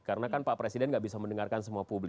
karena kan pak presiden gak bisa mendengarkan semua publik